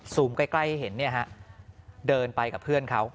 ซูมใกล้ให้เห็นเนี่ยฮะเดินไปกับเพื่อนเขา